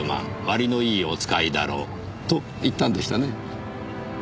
割のいいおつかいだろう」と言ったんでしたね。